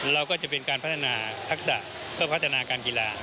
เราก็จะเป็นการพัฒนาทักษะเพื่อพัฒนาการกีฬา